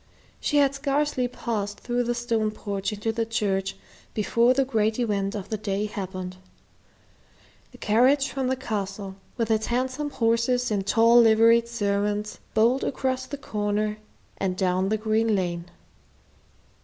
She had scarcely passed through the stone porch into the church before the great event of the day happened. The carriage from the Castle, with its handsome horses and tall liveried servants, bowled around the corner and down the green lane.